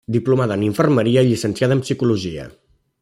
Diplomada en Infermeria i llicenciada en Psicologia.